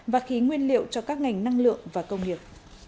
và khí nguyên liệu cho các ngành năng lượng và công nghiệp